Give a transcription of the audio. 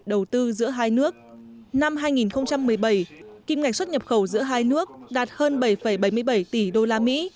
đầu tư giữa hai nước năm hai nghìn một mươi bảy kim ngạch xuất nhập khẩu giữa hai nước đạt hơn bảy bảy mươi bảy tỷ usd